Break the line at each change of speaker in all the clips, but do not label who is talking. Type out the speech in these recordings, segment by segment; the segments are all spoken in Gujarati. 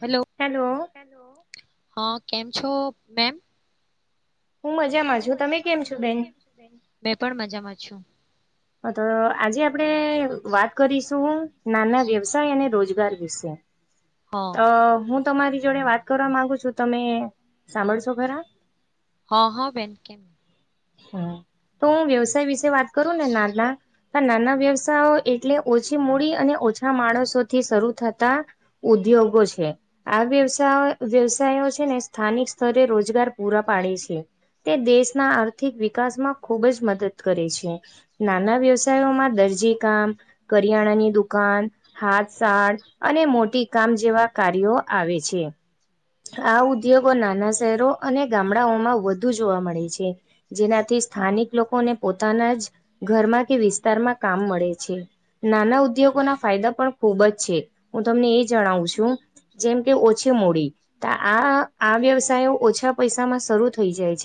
હલો
હેલો
હલો હા કેમ છો મેમ
હું મજામાં
હું
છું તમે
મજામાં
કેમ
છું
છો
તમે
બેન
કેમ છો બેન મેં પણ મજામાં છુ
હ તો આજે આપણે વાત કરીશું માનવ વ્યવસાય અને રોજગાર વિશે
હ
તો હું તમારી જોડે વાત કરવાં માગું છુ તમે સાંભળશો ખરા
હા હા બેન કેમ
હા તો હું વ્યવસાય વિશે વાત કરું ને નાના નાના વ્યવસાયો એટલે ઓછી મૂડી અને ઓછા માણસોથી શરૂ થતા ઉદ્યોગો છે આ વ્ય વ્યવસાય ને સ્થાનિક સ્તરે રોજગાર પૂરા પાડે છે તે દેશના આથિક વિકાસમાં ખૂબ જ મદદ કરે છે નાના વ્યવસાયોમાં દરજી કામ હરિયાણાની દુકાન હાથ સાળ આ ઉદ્યોગો નાના શહેરો અને ગામડાઓમાં વધુ જોવા મળે છે જેનાથી સ્થાનિક લોકોને પોતાના જ ઘરમાં કે વિસ્તારમાં કામ મળે છે નાના ઉદ્યોગોના ફાયદા પણ ખૂબ જ છે હું તમને એ જણાવું છું ઓછા પૈસામાં શરૂ થઈ જાય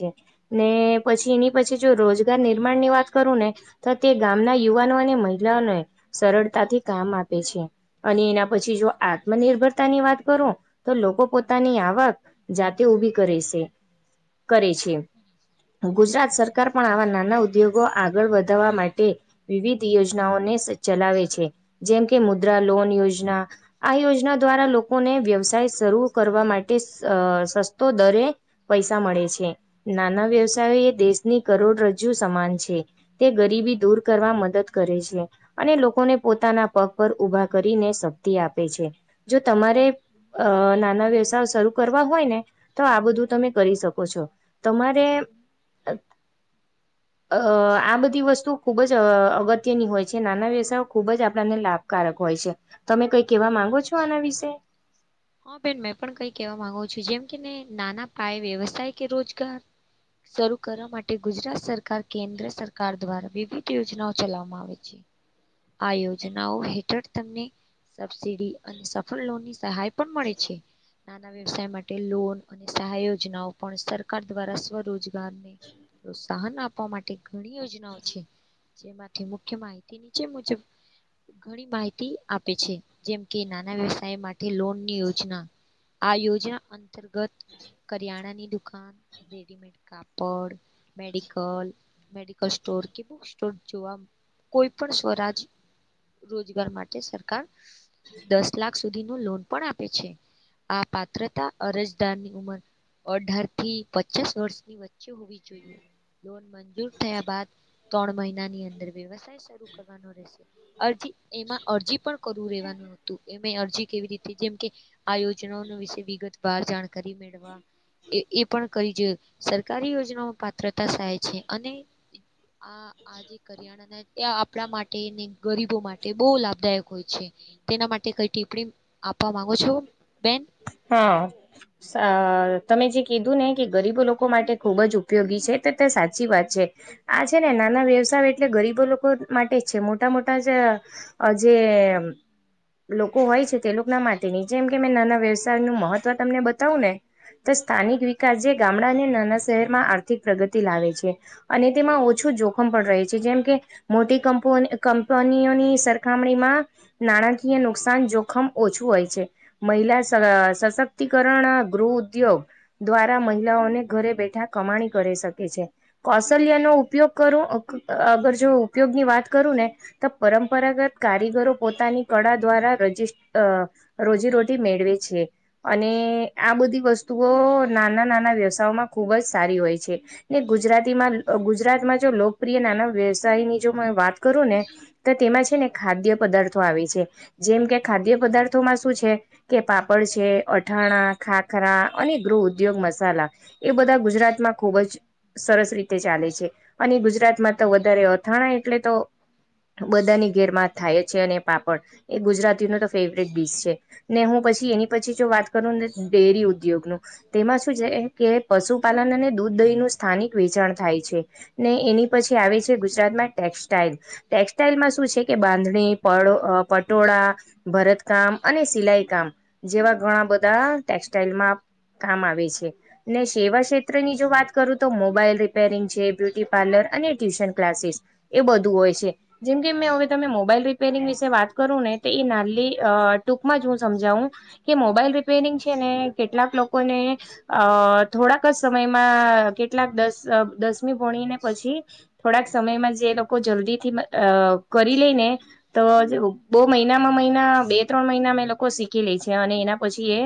છે પછી એની પછી જો રોજગાર નિર્માણ ની વાત કરું ને તો તે ગામના યુવાનો અને મહિલાઓને સરળતાથી કામ આપે છે અને એના પછી જો આત્મનિર્ભરતા ની વાત કરો તો લોકો પોતાની આવક જાદુ જા કરે છે [inaudible] ચલાવે છે જેમ કે મુદ્રા લોન યોજના આ યોજના દ્વારા લોકોને વ્યવસાય શરૂ કરવા માટે સ સસતું તો દરેક પૈસા મળે છે નાના વ્યવસ એ દેશની કરોડરજ્જુ સમાન છે તે ગરીબી દુર કરવા મદદ કરે છે અ એ લોકો ને પોતાના પગ પર ઊભા કરીને શક્તિ આપે છે જો તમારે અ અ નાના વ્યવસાય શરૂ કરવા હોય ને તો આ બધું તમે કરી શકો છો તમારે અ અ આ બધી વસ્તુ ખુબ જ અ અગત્યની હોય છે નાના વ્યવસાયો ખુબ જ આપણાને લાભકારક હોય હોય છે તમે કઈ કેવા માંગો છો આના વિશે
હા બેન મેં પણ કઈ કેવા માંગુ છુ જેમ નાના પાયે વ્યવસાય કે રોજગાર શરૂ કરવા માટે ગુજરાત સરકાર કેન્દ્ર સરકાર દ્વારા વિવિધ યોજનાઓ ચલાવવામાં આવે છે આ યોજનાઓ હેઠળ તમને સબસિડી અને સફળ લોનની સહાય પણ મળે છે નાના વ્યવસાય માટે લોન અને સહાય યોજનાઓ પણ સરકાર દ્વારા સ્વરોજગારની પ્રોત્સાહન આપવા માટે ઘણી યોજનાઓ છે જેમાંથી મુખ્ય માહિતીની નીચે મુજબ ઘણી માહિતી આપે છે જેમ કે નાના વ્યવસાય માટે લોનની યોજના આ યોજના અંતર્ગત કરિયાણાની દુકાન રેડીમેડ કાપડ મેડિકલ મેડિકલ સ્ટોર સ્ટોર કે બુક સ્ટોર જોવા કોઈ પણ સ્વરાજ રોજગાર માટે સરકાર દસ લાખ સુધી નો લોન પણ આપે છે આ પાત્રતા અરજદારની ઉંમર અઢાર થી પચાસ વર્ષની વચ્ચે હોવી જોઈએ લોન મંજૂર થયા બાદ ત્રણ મહિના ની અંદર વ્યવસાય શરૂ કરવાનો રહેશે અરજી એમાં અરજી પણ કરવું રહેેવાનું હતું એ અરજી કેવી રીતે જેમ કે આયોજનો વિશે વિગત વાર જાણકારી મેળવા એ પણ કરી જોઈ સરકારી યોજનામાં પાત્રતા સાહાય છે અને આ આજે કરિયાણા ને ત્યાં કપડા માટે ને ગરીબો માટે બહુ લાભદાયક હોય છે તેના માટે કઈ ટીપ્પણી આપવા માંગો છો બેન
હા સારું તમે જે કીધું ને કે ગરીબો લોકો માટે ખૂબ જ ઉપયોગી છે તો તે સાચી વાત છે આ છે ને નાના વ્યવસાય એટલે ગરીબો લોકો માટે જ છે મોટા મોટા જે લોકો હોય છે તે લોકો ના માટે ની જેમ કે મે નાના વ્યવસાય વયવસાયતાનું મહત્વ તમને બતાવું ને તો સ્થાનિક વિકાસ જે ગામડા અને નાના શહેરમાં આર્થિક પ્રગતિ લાવે છે અને તેમાં ઓછું જોખમ પણ રહે છે જેમ કે મોટી કંપની કંપનીઓની સરખામણીમાં નાણાકીય નુકસાન જોખમ ઓછું હોય છે મહિલા. સશક્તિકરણ ગૃહ ઉદ્યોગ દ્વારા મહિલાઓને ઘરે બેઠા કમાણી કરે. કરી શકે છે કૌશલ્ય નો ઉપયોગ કરો અગર જો ઉપયોગની વાત કરું ને તો પરંપરાગત કારીગરો પોતાની કળા દ્વારા રજીસ્ટર અ રોજીરોટી મેળવે છે. છે અને આ બધી વસ્તુઓ નાના નાના વ્યવસાયમાં ખુબ જ સારી હોય છે. ને ગુજરાતીમાં ગુજરાતમાં જો લોકપ્રિય નાના વ્યવસાય ની જો વાત કરું ને. તો તેમાં છે ને ખાદ્ય પદાર્થો આવી છે જેમ કે ખાદ્ય પદાર્થોમાં શું છે કે પાપ. પાપડ છે અથાણા ખાખરા અને ગૃહ ઉદ્યોગ મસાલા એ બધા ગુજરાત માં ખુબ જ. સરસ રીતે ચાલે છે અને ગુજરાતમાં તો વધારે અથાણા એટલે તો. બધાની ઘેરમાં થાય છે અને પાપડ એ ગુજરાતી નો તો ફેવરેટ ડીશ છે ને હું પછી એની. પછી જો વાત કરુંને ડેરી ઉદ્યોગ નું તેમાં શું છે કે પશુપાલન અને દૂધ દહી નું. સ્થાનિક વેચાણ થાય છે ને એની પછી આવે છે ગુજરાતમાં ટેક્સટાઈલ ટેક્સટાઈલમાં. શું છે કે બાંધણી પટોળા ભરતકામ અને સિલાઈ કામ. જેવા ઘણા બધા ટેક્સટાઈલમાં. કામ આવે છે અને સેવા ક્ષેત્રની જો વાત કરું તો મોબાઈલ રિપેરિંગ છે બ્યુટી પાર્લર. અને ટ્યુશન ક્લાસીસ એ બધું હોય છે જેમ કે મે હવે તમે મોબાઈલ રિપેરિંગ વિશે વાત કરો ને. તો એ નાનલી ટૂંકમાં જ હું સમજાવું કે મોબાઈલ રિપેરિંગ છે ને કેટલાક લોકોને અ થોડાક જ સમયમાં કેટલાક દસ દસમી ભણીને પછી થોડાક સમયમાં જે લોકો જલ્દી થી કરી લઈ ને તો બહુ મહિનામાં મહિના બે ત્રણ મહિના મેં લોકો શીખી લે છે, અને એના પછી એ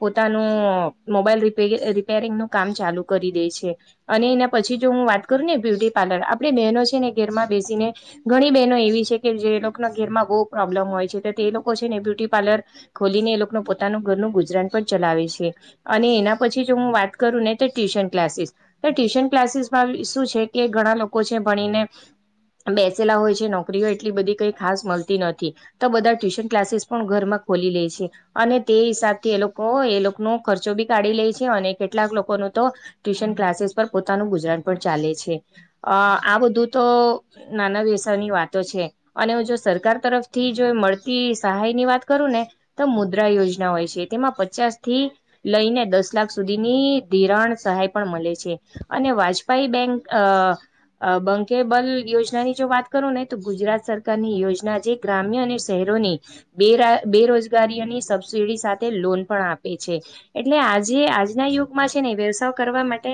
પોતાનું મોબાઈલ રિપેરિંગ નું કામ ચાલુ કરી દીધું. દે છે અને એના પછી જો હું વાત કરું ને બ્યુટી પાર્લર આપે બહેનો છે, ને ઘેરમાં બેસીને. ઘણી બહેનો એવી છે, કે જે લોકોના ઘેરમાં બહુ પ્રોબ્લેમ હોય છે, તો તે લોકો છે, ને બ્યુટી પાર્લર ખોલી ને એ લોકોનું પોતાનું ઘરનું ગુજરાન પર ચલાવે છે, અને એના પછી જો હું વાત કરું ને તો ટ્યુશન ક્લાસીસ તો ટ્યુશન ક્લાસીસમાં શું છે, કે ઘણા લોકો છે, ભણીને બેસેલા હોય છે. નોકરીઓ એટલી બધી કઈ ખાસ. મળતી નથી તો બધા ટ્યુશન ક્લાસીસ પણ ઘરમાં ખોલી લે છે. અને તે હિસાબ થી એ લોકો એ લોકો. નો ખર્ચો બી કાઢી લે છે, અને કેટલાક લોકો નો તો ટ્યુશન ક્લાસીસ પર પોતાનું ગુજરાન પણ ચાલે છે. આ બધું તો નાના વ્યસની વાતો છે, અને જો સરકાર તરફ. તરફથી જો મળતી સહાય ની વાત કરું ને તો મુદ્રા યોજના હોય છે, તેમાં પચાસ.. થી લઈને દસ લાખ સુધીની ધિરાણ સહાય પણ મળે છે, અને વાજપાય બેંક. બેંક અ. બંકેબલ યોજનાની જો વાત કરો ને તો ગુજરાત સરકારની યોજના જે ગ્રામ્ય અને શહેર. બેરોજગારીની સબસિડી સાથે લોન. પણ આપે છે, એટલે આજે આજના યુગમાં છે, ને વ્યવસાય કરવા માટે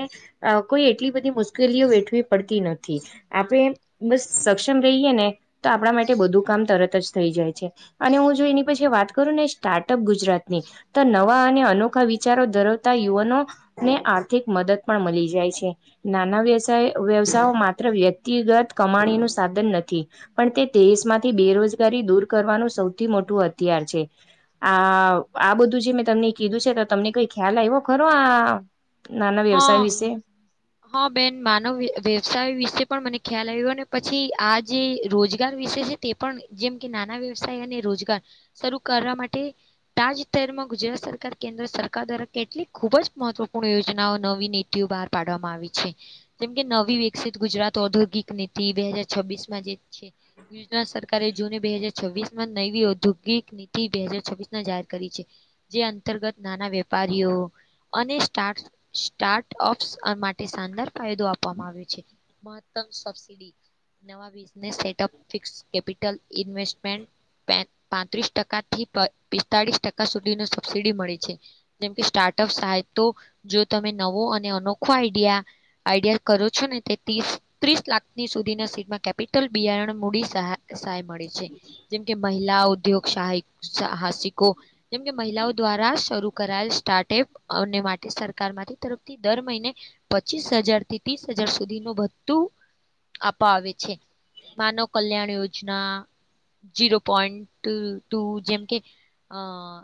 કોઈ એટલી. બધી મુશ્કેલીઓ વેઠવી પડતી નથી આપણે બસ સક્ષમ રહીએ ને તો આપણા માટે. બધું કામ તરત જ થઈ જાય છે, અને હું જો એની પછી વાત. કરું ને સ્ટાર્ટઅપ ગુજરાતની તો નવા. અને અનોખા વિચારો ધરાવતા યુવાનો ને આર્થિક મદદ પણ મળી જાય છે, નાના વ્યવસાય માત્ર વ્યક્તિગત કમાણી નું સાધન નથી, પણ તે દેશમાંથી. બેરોજગારી દૂર કરવાનું સૌથી મોટું હથિયાર છે, આ આ બધું. જો મેં તમને કીધું છે, તો તમને કંઈ ખ્યાલ આવ્યો, ખરો આ નાના વ્યવસાય
હા
વિશે‌.
હા બેન માનવ વ્યવસાય વિશે પણ મને ખ્યાલ આવ્યો અને પછી આ જે રોજગાર વિષે છે, તે પણ જેમ કે નાના વ્યવસાય અને રોજગાર. શરૂ કરવા માટે તાજેતરમાં. ગુજરાત સરકાર કેન્દ્ર સરકાર દ્વારા કેટલીક ખુબ જ મહત્વપૂર્ણ યોજનાઓ નવી નીતિઓ બહાર પાડવામાં આવી છે. જેમ કે નવી વિકસિત ગુજરાત ઔદ્યોગિક નીતિ બે હજાર છવ્વીસ માં જે છે, વેના સરકારે જૂને બે હાજર છવ્વીસ માં નવી ઔદ્યોગિક નીતિ બે હાજર છવ્વીસ ના જાહેર કરી છે. જે અંતર્ગત નાના વેપારીઓ અને સ્ટાટ સાર્ટઅપ માટે શાનદાર ફાયદો આપવામાં આવ્યો છે. મહત્તમ સબસીડી નવા business setup fix capital investment પે પાત્રીસ ટકાથી પ પિસ્તાળીસ ટકા સુ સુધીનું સબસિડી મળે છે, જેમ કે સ્ટાર્ટઅપ સાય તો જો તમે નવો અને અનોખો આઈડિ દિયા આઈડિયા કરો છો, ને તે ત્રીસ ત્રીસ લાખની સુધીના સીમાં કેપિટલ બિયારણ મૂડી સહા સહાય મળે છે, જેમ કે મહિલા ઉદ્યોગ સહા સહાસિકો જેમ કે મહિલાઓ દ્વારા શરૂ કરાયેલ સ્ટાર્ટએપ અન્ય માટે સરકારમાંથી તરફથી દર મહિને પચીસ હજારથી ત્રીસ હજાર સુધીનું બધું અપાવે છે. માનવ કલ્યાણ યોજના ઝીરો પોઈન્ટ ટુ જેમ કે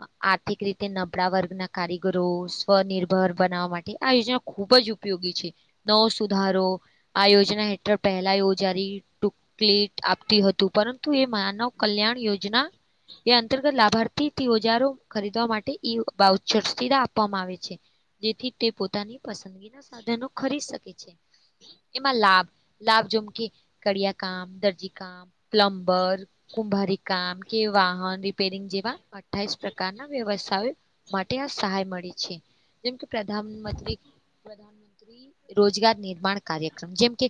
અ આર્થિક રીતે નબળા વર્ગના કારીગરો સ્વનિર્ભર બનાવવા માટે આ યોજના ખુબ જ ઉપ ઉપયોગી છે, નવો સુધારો આ યોજના હેઠળ પહેલા ઓજારી બૂકલીટ આપતી હતું પરંતુ એ માનવ કલ્યાણ યોજના એ અંતર્ગત લાભાર્થી યોજારો. ખરીદવા માટે ઈ બાવ [unintelligible] સીધા આપવામાં આવે છે. જેથી તે પોતાની પસંદગીના સાધનો ખરીદ શકે છે. એમાં લાભ લાભ જેમ કે કળિયા કામ, દરજી કામ, પ્લમ્બર, કો કુંભારી કામ કે વાહન રિપેરિંગ જેવા અઠાસ પ્રમાણે. કાર ના વ્યવસાય માટે આ સહાય મળે છે, જેમ કે, પ્રધાનમંત્રી. પ્રધાનમંત્રી રોજગાર નિર્માણ કાર્યક્રમ જેમ કે,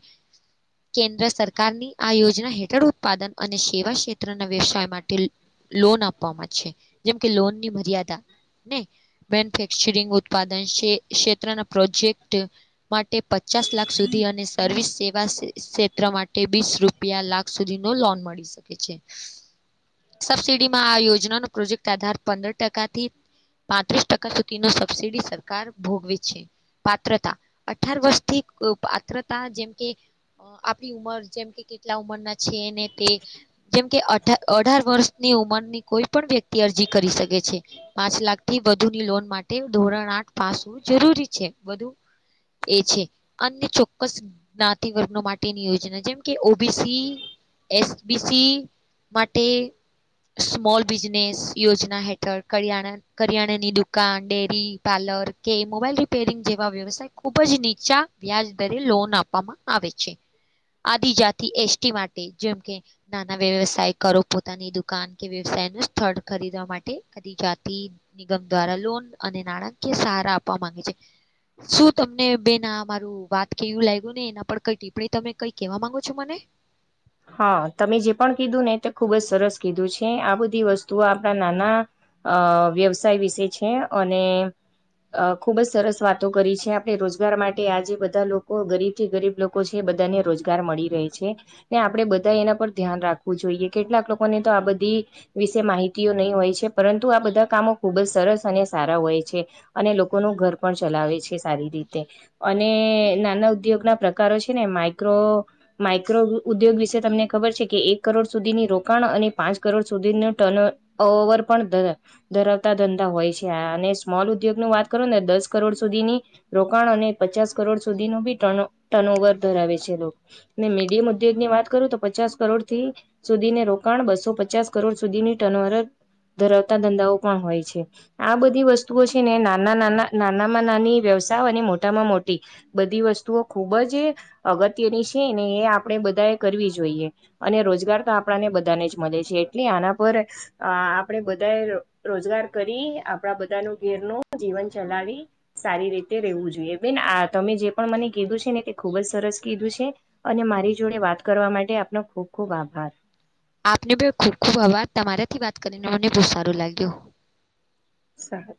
કેન્દ્ર સરકારની આ યોજના હેઠળ ઉત્પાદન અને સેવા ક્ષેત્રના વ્યવસાય માટે. લોન આપવામાં છે જેમ કે લોનની મર્યાદા. ને મેન્યુફેક્ચરિંગ ઉત્પાદન ક્ષેત્રના પ્રોજેક્ટ માટે. પચાસ લાખ સુધી અને સર્વિસ સેવા સે ક્ષેત્ર માટે બીસ રૂપિયા લાખ સુધીનો લોન મળી શકે છે. સબસિડીમાં આ યોજનાનો પ્રોજેક્ટ આધાર પંદર ટકાથી પાંત્રીસ ટકા સુધીનું સબસિડી સરકાર ભોગવે છે. પાત્રતા અઠાર વર્ષથી અ પાત્રતા જેમ કે અ આપણી ઉંમર જેમ કે કેટલા ઉંમરના છે ને તે. જેમકે અઢા અઢાર વર્ષની ની ઉંમરની કોઈ પણ વ્યક તી અરજી કરી શકે છે પાંચ લાખથી વધુની લોન માટે ધોરણ આઠ પાસ હોવું જરૂરી છે. બધું એ છે અન્ય ચોક્કસ જ્ઞાતિ વર્ગના માટેની યોજના જેમ કે ઓબીસી એસબીસી માટે સ્મોલ બિજ નેસ યોજના હેઠળ કાર્યણા કરિયાણાની દુકાન, ડેરી પાર્લર કે મોબાઈલ રિપે પેરિંગ જેવા વ્યવસાય ખુબ જ નીચા વ્યાજ દરે લોન આપવામાં આવે છે. આદિજાતિ એસટી માટે જેમ કે, નાના વ્યવસાય કરો પોતાની દુકાન કે વ્યવસાય ન સ્થળ ખરીદવા માટે આદિજાતિ નિગમ દ્વારા લોન અને નાણાકીય સહારો આપવા માંગે છે. શું તમને બેન આ મારું વાત કેવું લાગ્યું ને એના પર કઈ ટીપ્પણી તમે કઈ કેવા માંગો છો મને?
[unintelligible] હા તમે જે પણ કીધું ને એ તો ખુબ જ સરસ કીધું છે આ બધી વસ્તુઓ આપણા નાના અ વ્યવસાય વિશે છે અને અ ખુબ જ સરસ વાતો કરી છે. આપણે રોજગાર માટે આજે બધા લોકો ગરીબ થી ગરીબ લોકો છે બધાને રોજગાર મળી રહે છે. ને આપણે બધા એના પર ધ્યાન રાખવું જોઈએ. કેટલાક લોકોને તો આ બધી વિશે માહિતીઓ નહીં હોય છે. પરંતુ આ બધા કામો ખુબ જ સરસ અને સારા હોય છે અને લોકોનું ઘર પણ ચલાવે છે સારી રીતે અને નાના ઉદ્યોગના પ્રકારો છે ને માઈક્રો માઈક્રો ઉદ્યોગ વિશે તમને ખબર છે કે એક કરોડ સુધીની રોકાણ અને પાંચ કરોડ સુધીનો ટર્ન ઓવર પણ ધરા ધરાવતા ધંધા હોય છે. અને સ્મોલ ઉદ્યોગનું વાત કરૂને દસ કરોડ સુધીની રોકાણ અને પચાસ કરોડ સુધીનું બી ટન ટર્ન ઓવર ધરાવે છે લોક. ને મીડિયમ ઉદ્યોગની વાત કરું તો પચાસ કરોડથી સુધીને રોકાણ બસો પચાસ કરોડ સુધીની ટનઓરત ધરાવતા ધંધાઓ પણ હોય છે. આ બધી વસ્તુઓ છે ને નાના નાના નાનામાં નાની વ્ય સ્થા અને મોટામાં મોટી બધી વસ્તુઓ ખૂબ જ અગત્યની છે ને એ આપ આપણે બધાએ કરવી જોઈએ અને રોજગાર તો આપણાને બધાને જ મળે છે. એટલે આના પર આ આપણે બધાએ રોજગાર કરી, આપણા બધાનું ઘેરનું જીવન ચલાવી સારી રીતે રેહવું જોઈએ. બેન આ તમે જે પણ મને કીધું છે ને, તે ખુબ જ સરસ કીધું છે અને મારી જોડે વાત કરવા માટે આપનો ખૂબ ખૂબ આભાર
આપને બે ખૂબ ખુબ આભાર તમારાથી વાત કરીને મને બહુ સારું લાગ્યું
સહેદ